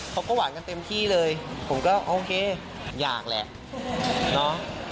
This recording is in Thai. เขาก็หวานกันเต็มที่เลยผมก็โอเคอยากแหละเนาะ